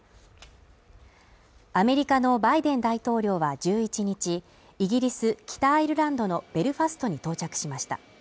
アメリカのバイデン大統領は１１日、イギリス北アイルランドのベルファストに到着しました。